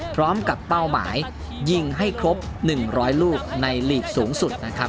เป้าหมายยิงให้ครบ๑๐๐ลูกในหลีกสูงสุดนะครับ